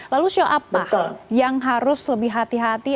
lalu show apa yang harus lebih hati hati